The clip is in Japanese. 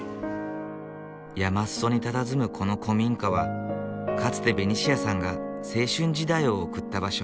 山裾にたたずむこの古民家はかつてベニシアさんが青春時代を送った場所。